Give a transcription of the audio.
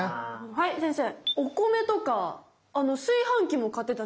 はい先生。